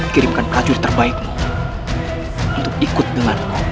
kirimkan prajurit terbaikmu untuk ikut denganku